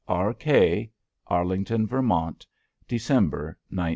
R. K. Arlington, Vermont, December, 1919.